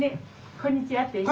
こんにちは。